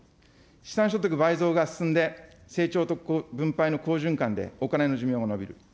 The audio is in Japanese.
資産所得倍増が進んで成長と分配の好循環でお金の寿命も延びる。